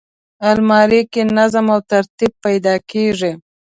الماري کې نظم او ترتیب پیدا کېږي